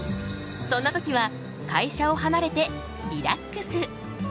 そんなときは会社をはなれてリラックス。